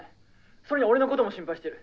それに俺のことも心配してる。